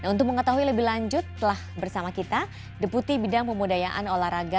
untuk mengetahui lebih lanjut telah bersama kita deputi bidang pemudayaan olahraga